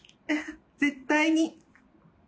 絶対に。